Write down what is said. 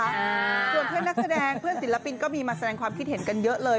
ส่วนเพื่อนนักแสดงเพื่อนศิลปินก็มีมาแสดงความคิดเห็นกันเยอะเลย